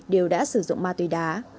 đều đã sử dụng ma tùy đá